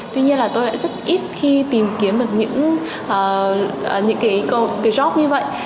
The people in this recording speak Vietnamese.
tuy nhiên là tôi lại rất ít khi tìm kiếm được những cái job như vậy